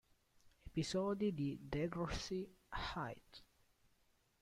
Episodi di Degrassi High